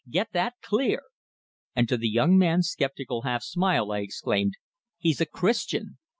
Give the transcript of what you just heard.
Get that clear!" And to the young man's skeptical half smile I exclaimed: "He's a Christian!"